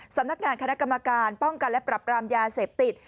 สำนักงานคณะกรรมการป้องกันและปรับรามยาเสพติด